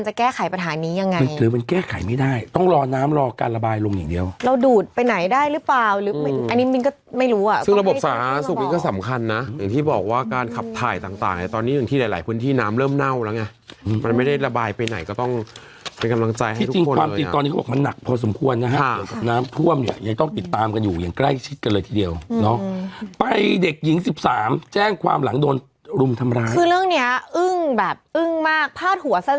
จะแก้ไขปัญหานี้ยังไงหรือมันแก้ไขไม่ได้ต้องรอน้ำรอการระบายลงอย่างเดียวเราดูดไปไหนได้รึเปล่าอืมอันนี้มีก็ไม่รู้อ่ะซึ่งระบบสาธารณสุขนี้ก็สำคัญน่ะอย่างที่บอกว่าการขับถ่ายต่างต่างเนี้ยตอนนี้อย่างที่หลายหลายพื้นที่น้ำเริ่มเน่าแล้วไงอืมมันไม่ได้ระบายไปไหนก็ต้องเป็นกำ